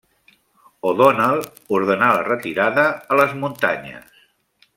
O'Donnell ordenà la retirada a les muntanyes.